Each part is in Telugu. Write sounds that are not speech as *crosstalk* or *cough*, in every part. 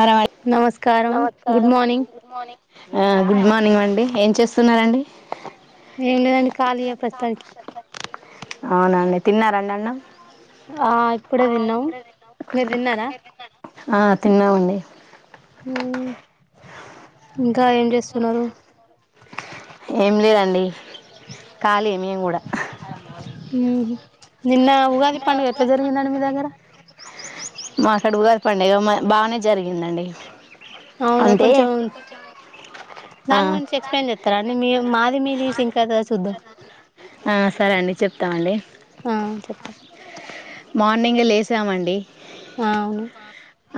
అ నమస్కారం గుడ్ నమస్కారం మార్నింగ్ ఆ గుడ్ మార్నింగ్ అండి ఏం చేస్తున్నరాండి ఏం లేదండి ఖాళీయే ప్రస్తుతానికి అవునండి తిన్నారా అండి అన్నం ఆ ఇప్పుడే తిన్నాము మీరు తిన్నారా ఆ తిన్నామండి ఉమ్ ఉమ్ ఇంకా ఏం చేస్తున్నారు ఏం లేదండి ఖాళీ మేము కూడా ఉహూ నిన్న ఉగాది పండుగ ఎట్లా జరిగిందండి మీ దగ్గర మా కాడ ఉగాది పండగ బాగానే జరిగిందండి అవునా అంటే కొంచెం ఆ దాని గురించి ఎక్స్ప్లెయిన్ చేస్తారా అండి మీ మాది మీది సింకైతా సుద్దం ఆ సరే అండి చెప్తామండి ఆ చెప్పండి మార్నింగ్ లేసామండి ఆ అవును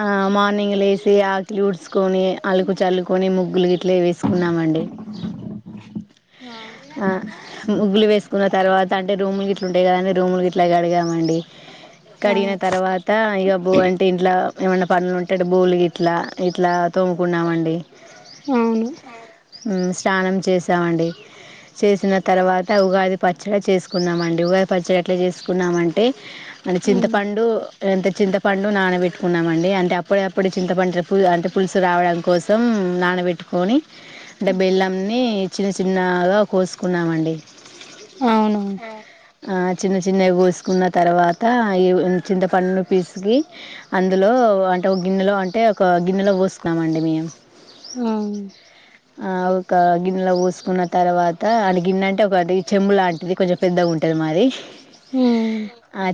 ఆ మార్నింగ్ లేసి ఆకిలి ఊడ్చకొని అలుకు చల్లుకొని ముగ్గులు గీట్లే వేసుకున్నామండి ఆ ఆ ముగ్గులు వేసుకున్న తర్వాత అంటే రూములు గిట్ల ఉంటాయి కదా అండి రూముల గిట్ల కడిగామండి ఆ కడిగిన తర్వాత అ ఇగబో అంటే ఇంట్లో ఏమైన్నా పనులు ఉంటే బోకులు ఇట్లా ఇట్లా తోముకున్నామండి అవును ఉమ్ స్నానం చేసామండి చేసిన తర్వాత ఉగాది పచ్చడి చేసుకున్నామండి ఉగాది పచ్చడి ఎట్లా చేసుకున్నామంటే మన మ్మ్ చింతపండు అంతే చింతపండు నానబెట్టుకున్నామండి అంటే అప్పుడప్పుడు చింతపండు పు అంటే పులుసు రావడం కోసం నానబెట్టుకొని అంటే బెల్లం నీ చిన్న చి న్నగా కోసుకున్నామండి అవును ఆ చిన్న చిన్నవి కోసుకున్న తర్వాత్ త అ చింతపన్ను పిసికి అందులో అంటే ఒక గిన్నెలో అంటే ఒక గిన్నెలో పోస్తున్నామ అండి మేము ఆ ఆ ఆవుకా గిన్నలో పోసి కున్న తర్వాత అది గిన్న అంటే ఒక చెంబు లాంటిది కొంచెం పెద్దగా ఉంటుంది మాది హుమ్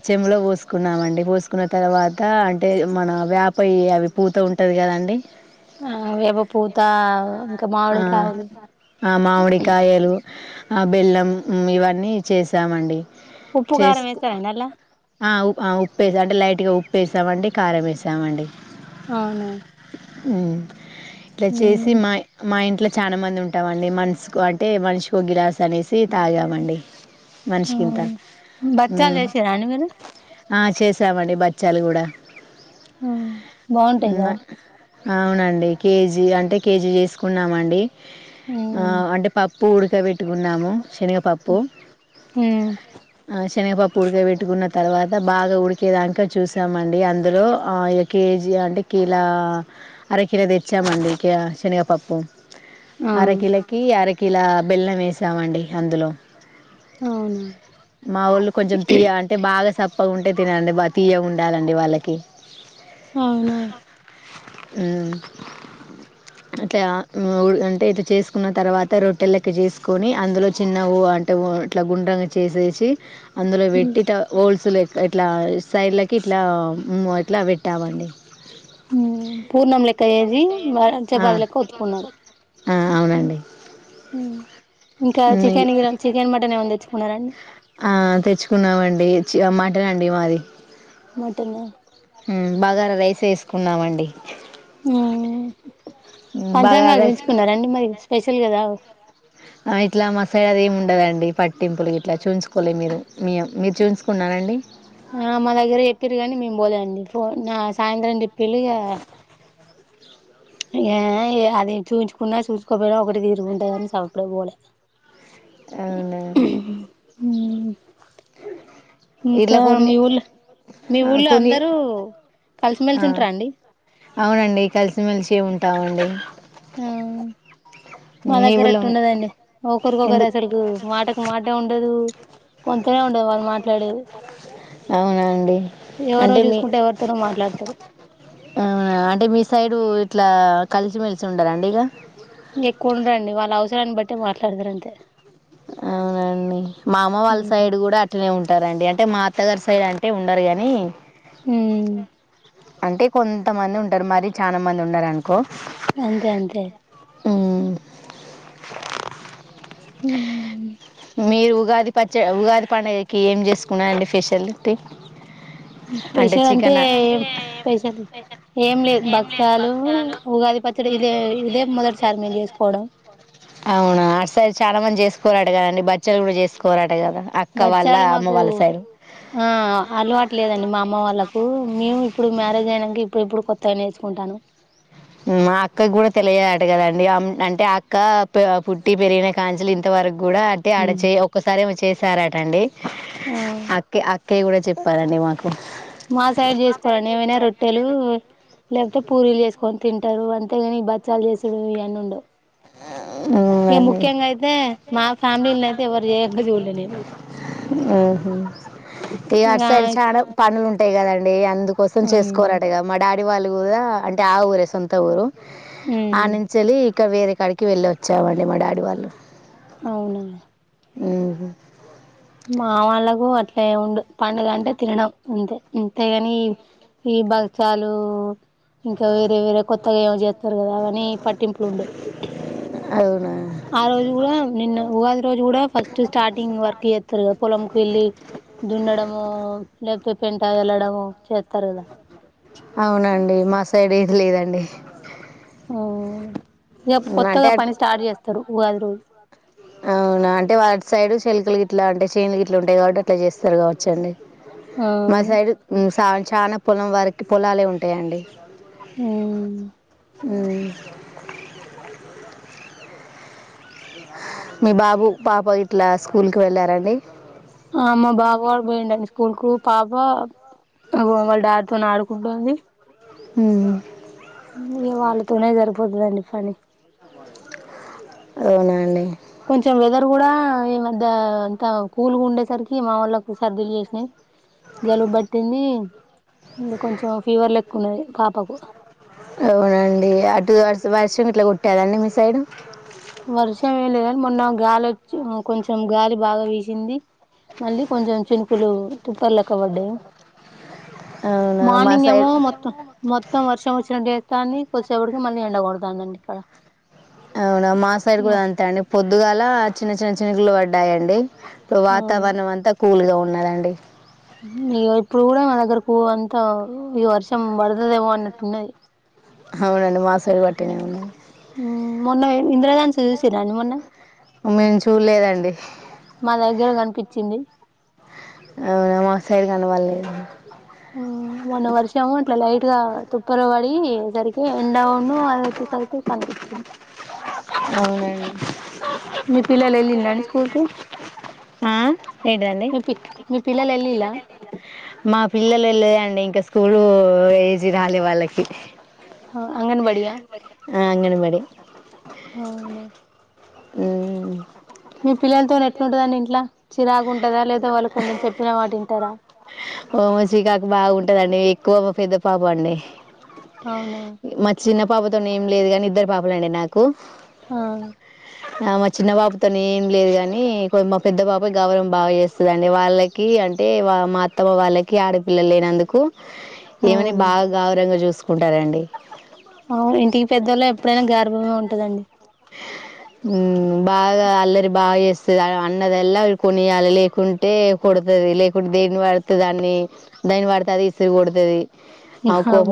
చెమ్ములో పోసుకున్నామండి. పోసుకున్న తర్వాత అంటే మన వాపయ్య అవి పూత ఉంటది కద అండి. ఆ వేవ పూత ఇంకా మామిడి కాయలు మామిడి కాయలు ఆ బెల్లం ఇవన్నీ చేసామండి ఉప్పు కారం వేస్తారన్నలా ఉ ఉప్పు ఏసాం అంటే లైట్గా ఉప్పు వేసామండి కారం వేసామండి అవునా ఉ ఇట్ల చేసి ఉమ్ మా మా ఇంట్లో చాలా మంది ఉంటాం అన్ మనసుకు అంటే మనిషికు ఒక గిలాస్ అనేసి తాగామండి మనిషికింత అవును ఉ బచ్చాలు చేసిర్రా అండి మీరు ఆ చేసి స్తామండి బచ్చాలు కూడా ఆ బాగుంటాయి కదా అవునండి కేజీ అంటే కేజీ చేసుకున్నామండి ఆ ఉమ్ అంటే పాప్ పూడిక పెట్టుకున్నాము శనగపప్పు ఉమ్ ఆ శనగపప్పు ఉడక పెట్టుకున్న తర్వాత బాగా ఉడికేదాంక చూసామండి అందులో కేజీ అంటే కీలో అర కీలో తెచ్చామండి శనగపప్పు ఆ కి అరకిలా బెల్లం వేసామండి అందులో అవునా మాఊళ్ళు కొంచెం తీయగ అంటే బాగా సప్ బాగుంటే తినాలండి బాగ తీయగ ఉండాలండి వాళ్ళకి అవునా ఉమ్ అట్లా ఉ అంటే చేసు కున్న తర్వాత రొట్టె లెక్క చేసుకొని అందులో చిన్న అంటే ఇట్లా గుండ్రంగా చేసేసి అందులో పెట్టి ఇట్ట హోల్స్ ఇట్లా సైడ్లకి ఇట్లా హ్మ్ ఇట్ల పెట్టామండి హ్మ్ పూర్ణం లెక్క ఏది మ చపాతీ లెక్క ఒత్తుకున్నారు ఆ అవునండి ఉమ్ ఇంకా హ్మ్ చికెన్ గిర చికెన్ మటన్ ఏమన్నా తెచ్చుకున్నారండి ఆ తెచ్చుకున్నామండి చ మ ట అండి మాది మటన్ హ్మ్ బగార రైస్ చేసుకునమండి ఉమ్ బగారా పంచాంగాలు రైస్ చూయించుకున్నారా అండి మరి స్పెషల్ కదా అవ్ ఆ ఇట్లా మా సైడ్ ఏమి ఉండదండి పట్టింపులు ఇట్లా చూయించుకోలే మీరు మీ మీరు చూయించుకున్నారా అండి ఆ మా దగ్గర చెప్పిరు గనీ మేము పోలే అండి ఫో నా సాయంత్రం చెప్పిళ్ళు ఇగ ఏ అది చూంచుకున్నా చూసుకోపోయినా ఒకటి తిరు ఉంటదని సప్పుడ పోలే అవునా హ్మ్ ఇట్లా ఇంకా కొన్ని మీ ఊళ్ళో మీ ఆ ఊళ్ళో కొన్ని అందరూ కలిసి ఆ మెలిసి ఉంటార అండి టా వండి ఆ మా మీ దగ్గర ఊళ్ళో అట్టు ఉండదండి ఒకరికొకరు ఎందుకు అసలకు మాటకు మాట ఉండదు పం అవునండి ఎవరో అంటే మీ చూసుకుంటే ఎవరితోనో మాట్లాడతారు ఆ అంటే మీ సైడు ఇట్ల కలిసిమెలిసి ఉండరా అండి ఇగ ఎక్కువ ఉండరండి వాళ్ళ అవసరాన్ని బట్టి మాట్లాడతారు అంతే అవునండి మా అమ్మ వాళ్ళ సైడ్ కూడా అట్ల నే ఉంటారండి అంటే మా అత్తగారి సైడ్ అంటే ఉండరు గానీ హ్మ్ అంటే కొంతమంది ఉంటారు మరి చాన మంది ఉండరు అనుకో అంతే అంతే హ్మ్ హ్మ్ హు మీరు ఉగాది పచ్చ ఉగాది పండగకి ఏం చేసుకున్నరండి స్పెషల్ అంటే స్పెషల్ చికెన్ ఏం స్పెషల్ ఏం లేదు భక్షాలు ఉగాది పచ్చడి ఇదే ఇదే మొదటిసారి మేము చేసుకోవడం అవునా సరే చాలా మంది చే కోరా అట్ల కాదండి బచ్చలు కూడా చేసుకోర బచ్చాలు మాకు ఆ అలవాటులేదండి మా అమ్మ వాళ్ళకు మేము ఇప్పుడు మ్యారేజ్ అయనంక ఇప్పుడు ఇప్పుడు కొత్ త్త నేర్చుకుంటాన మా అక్కకి కూడా తెలియదట కదండి అంటే అక్క పుట్టి పెరిగిన కాంచిలు ఇంతవరకు కూడా అంటే ఆడచేయి ఒక్కసారి ఏమో చే చార్ ఆట అండి ఆ అక్కే అక్కే యే కూడా చెప్పాలండి మా మా సైడ్ చేసుకోరండి ఏమైనా రొట్టెలు లేకపోతే పూరీలు చేసుకో కొన్ని తింటారు అంతేగాని బచ్చాలు చేసేవి ఇవే మ్ ఉండవు ఇక అడి ముఖ్యంగా అయితే మా ఫ్యామిలీలో అయితే ఎవరు చేయంగా చూడలే త నేను వర్స అరిచ ఇక పనులుంట అంతే కదండి అంతే కోసం ఉమ్ చేసుకోరటగా మా డ్యాడీ వాళ్ళు కూడా అంటే ఆ ఊరే సొంత ఊరు ఉమ్ ఆనించలిి కవే రేట్ ఇక్కడికి వెళ్ళి వచ్చామండి మా డాడీ వాళ్ళు అవును ఆ మా వాళ్ళలకు అట్లా ఉండు పండుగ అంటే తినడం అంతే అంతేగాని ఈ భచ్చాలు ఇంకా వేరే వేరే కొత్తగా ఏమ చేస్తారు కదా అని పట్టింపులుండే అవునా ఆ రోజు కూడా నిన్న ఉగాది రోజు కూడా ఫస్ట్ స్టార్టింగ్ వర్క్ వస్తారు కదా పొలంకి వెళ్ళి దుండము లేకపోతే పెంట వెళ్ళడము చేస్తారు కదా అవునండి మా సైడ్ ఇది లేదండి ఆ ఇక అంటే కొత్తగా పని అట్- స్టార్ట్ చేస్తారు ఉగాది రోజు అవునా అంటే వాటి సైడ్ శల్కలు గిట్లా అంటే చేనులు గిట్లు ఉంటాయి కాబట్టి అట్లా చేస్తారు కావచ్చండి అవును మాసైడు సావి చాలా పొలం వారికి పొలాలే ఉంటాయండి అ మీ బాబు పాప ఇట్లా స్కూల్కి వెళ్ళారండి ఆమ్ మా బాబు కూడ పోయిండ స్కూల్ కు అగో వాళ డ్యాడ్ తో ఆడుకుంటుంది ఉ ఇక వాళ్ళతోనే సరిపోతుదండి ఫని అదవునండి కొంచెం వెదర్ కూడా ఈ మధ్య అంత కూల్గా ఉండేసరికి మాముళ్ళకి సర్దీలు చేసినాయి జలుబుబట్టింది కొంచెం ఫీవర్ లెక్కు ఉన్నది పాపకు అవునండి అటు వర్ వర్షం ఇట్లా కుట్టాదండి మీ సైడు వర్షం ఏం లేదుని మొన్న గాలి వచ్చి కొంచెం గాలి బాగా విసింది మళ్ళీ కొంచెం చినుకులు తుప్ పర్లే కబడ్డీ అవునా మా మార్నింగ్ ఏమో సైడ్ మొత్తం మొత్తం వర్షం వచ్చినంటే దాన్ని కోసేపటికి మళ్ళీ ఎండకొడతోంది అండిఇక్కడ అవునా మా సైడ్ కూడా అంతే అండి పొద్దుగాల చిన్న చిన్న చినుకులు పడ్డాయండి ఇపుడు అవును వాతావరణం అంతా కూల్గా ఉన్నదండి పే నీగా ఇప్పుడు కూడా మా దగ్గర అంతా ఈ వర్షం పడుతదేమో అన్నట్టున్నది అవునండి మా సైడ్ గూడ అట్టే ఉన్నాయి ఉమ్ మొన్న ఇంద్రధనస్సు చూసిండ్రా అండి మొన్న మేము చూడలేదండి పిచ్చింది అవునా మాసైడ్ కనపల్లేదండి ఉమ్ మొన్న వర్షము ఇట్లా లైట్ గా తుప్పర పడి సరికి ఎండవును అదివచేసరికి కనిపించింది అవునా అండి మీ పిల్లలు వెళ్ళిిన్ డ్రా అండి స్కూల్ కు ఆ? ఏంటిదండి మీ పి మీ పిల్లలు వెళ్ళిలా పూ ఏజీ రాలీ వాళ్ళకి అంగ న్ బడి అయా అంగనే బడే అవునా ఉమ్ మీ పిల్లలతో ఎట్లుంటదండి ఇంట్లో చిరాగా ఉంటదా లేదా వాళ్ళు కొంచెం చెప్పిన మాట వింటారా ఓమో శ్రీకాకి బాగుంటదండి ఎక్కువ పెద్ద పాప అండి అవునా పాపతోనే ఏం లేదు గానీ ఇద్దరు పాపలే అండి నాకు ఆ ఆ మా చిన్న పాపతో ఏం లేదు కాని కొంచెం మా పెద్ద పాప గౌరవం బాగా చేస్తదండి వాళ్ళకి ఏం అంటే మా అత్తమ వాళ్ళకి ఆడపిల్లలు లేనందుకు ఆ ఈమెని బాగా గౌరవంగా చూసుకు కుంటారండి అవును ఇంటికి పెద్దోళ్లే ఎప్పుడైన గార్ భంగా ఉంటదండి ఉమ్ బాగా అల్లరి బాగా చేస్తది అన్నదల్లా కొనియాలి లేకుంటే కొడుతది లేకుంటే దేని వడితే దాన్ని దేని వాడితే అది ఇసిరీ కొడుతది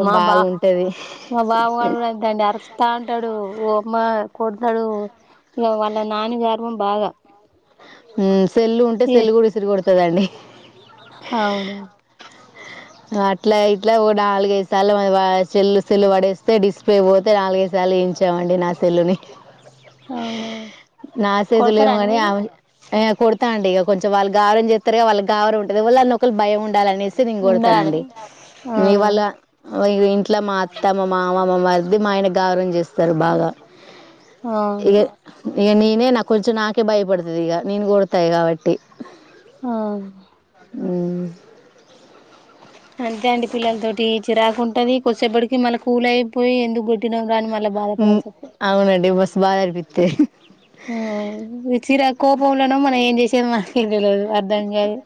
మా బా మా బావుగాడు అంతేనండి అరుస్తా ఉంటాడు ఓ మ్మ కొడతాడు ఇక వాళ్ళ నాని గర్వం బాగా ఉమ్ సెల్లు ఉంటే సెల్లు కూడా ఇసిరిగైడ్ త కదండి అవును అట్లా ఇట్లా ఓ నాలుగైదు సార్లు చెల్లు సెల్లు పడేస్తే డిస్ప్లే పోతే నాలుగైదు సార్లు వేయించామండి నా సెల్లుని అవునా నా కొడతారా చేతులేమో అండి గాని మీరు కొడతా అండి ఇక కొంచెం వాళ్ళు గారం చేస్ పెరిగే వాళ్ళకి గారవం ఉంటది వాళ్ళ నోకాల్ భయం ఉంటది డాలనేసి నేనుగోడ ఉండాలి ఆండి ఆ మీ వాళ్ళ ఇంట్లో మా అత్ త్తమ, మామ మ మరిది మా ఆయన గారవం చేస్తారు బాగా అవును ఇగ ఇగా ననే కొంచెం నాకే భయపడుతది ఇగా నేను కొడతా కాబట్టి ఆ ఉమ్ అంతే అండి పిల్లలతోటీ చిరాకు ఉంటది కొసేపటికి మళ్ళీ కూల్ అయిపోయి ఎందుకు కొట్ ఉమ్ అవునండి మస్ బాదనిపిత్తది హమ్ చిరా కోపంలనో మనం ఏం చేసేది మనకే తెళలేదు అర్ధంగాదు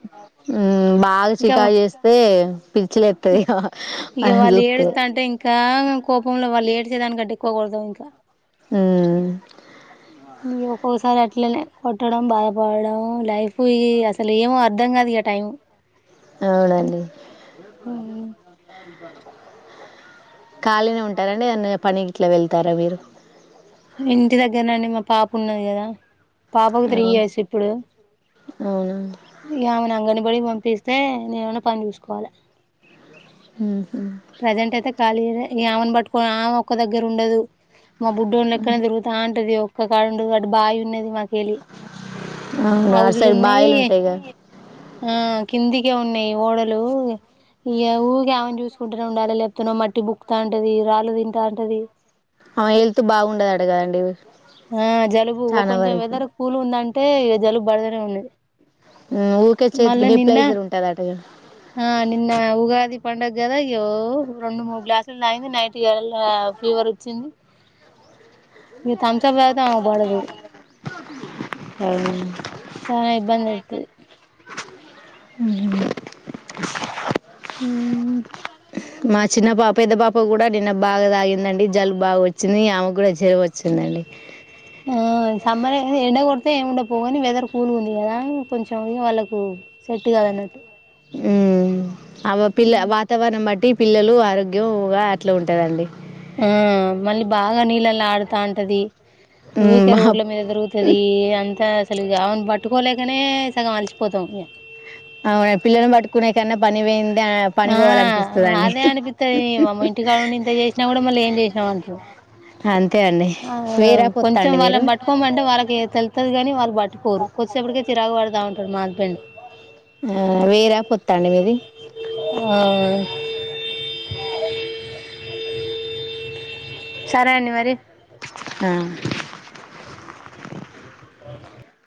మ్మ్ బాగా ఇంకా చికాకు చేస్తే పిచ్చిలేత్తది ఇగ ఇగా వాళ్ళని వాళ్ళు చూత్తే ఏడుస్తంటే ఇంకా కోపంలో వాళ్ళు ఏడ్చేదానికంటే ఎక్కువకొడ్తం ఇంకా ఉమ్ ఇ ఒక్కొక్కసారి అట్లనే కొట్టడం బాధపడడం లైఫ్ ఇ అసలు ఏమో అర్థం కాదు ఇగ టైం అవునండి ఖాలినే ఉంటారండి ఎదన్న పనికి గిట్లా వెళ్తారా మీరు ఇంటి దగ్గర్నుండి మా పాప ఉన్నది కదా పాపకు ఆ త్రీ ఇయర్స్ ఇప్పుడు అవునా ఇగా ఆమెను అంగని బడికి పంపిస్తే నేనేమన్న పని చూసుకోవాలే ఉహు ఖాలిగనే ఇగ ఆమెను పట్టుకని ఆమె ఒక్క దగ్గర ఉండదు మా బుడ్డుని క్కరతిరుగుతంటది ఒక్క కాడ దో అటు బాయి ఉన్నది మ కెలి అవునా అటు హౌజులు సైడ్ ఉన్నాయి బాయిలు ఉంటాయి కదా ఆ కిందికే ఉన్నా టయ్ ఓడలు ఇగ ఊకే అమని చూసుకుంటూనే ఉండాలి లేపోతనొ మట్టి బుక్కుతా అంటది రాళ్ళు తింటాఅంటది అ హెల్త్ బాగుండదు అటగదండి ఆ జలుబు ఒ కొంచెం వెదర్ కూలు ఉందం టే జలుబడతనే ఉంన్నది మ్ ఊకే చేతికి డిప్లైజర్ ఉంటది అటగా పండుగ కదా ఇయ్యో రెండు మూడు గ్లాసులు తాగింది నైట్ ఫీవర్ వచ్చింది ప్ తరువాతే అమెకు పడదు అవునా చనా ఇబ్బంది అయితది ఉమ్ ఉమ్ మా చిన్న పాప పెద్ద పాప కూడా నిన్న బాగా తాగిందండి జలుబ్ బాగా వచ్చింది ఆమె కూడా జరాం వచ్చిందండి ఆ సమ్మర్ ఎండ కొడితే ఏముండపోగాని వెదర్ కూల్ ఉంది కదా కొంచెం ఇగ వాళ్ళలకు సెట్ కాదన్నట్టు ఉమ్ అమే పిల్ల వాతావరణం బట్టి. పిల్లలు ఆరోగ్యంగా అట్లా ఉంటదండి. ఆ మళ్ళీ బాగా నీళ్ళలా ఆడుతాంటది. ఉమ్ ఊకే మా రోడ్ల మీద తిరుగుతది అంతా. అసలు ఇగ అమేను పట్టుకోలేకనే సగం అలిసిపోతాం మేం అవును పిల్లను పటుకునే కన్నా పనికి పోయింది. ఆ పని పోవాలనిపిస్తదండి అదే అనిపిత్తది వామ్మో ఇంటికాడండి ఇంత చేసినా కూడా మళ్ళీ ఏం చేసినవ్ అంటారు. అంతే అండి ఆ వేరా పొత్తా కొంచెం అండి మీరు వాళ్ళని పట్టుకోమంటే వాళ్ళకి తెలుతది కాని వాళ్ళు పట్టుకోరు కొసేపటికే చిరాకు పడుతావు *unintelligible* ఆ వేరా పొత్తాండి మీది. ఆ! *inaudible* సరే అండి మరి. ఆ. *inaudible*